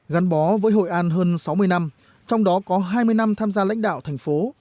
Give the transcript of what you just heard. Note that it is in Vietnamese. gắn bó với hội an hơn sáu mươi năm trong đó có hai mươi năm tham gia lãnh đạo thành phố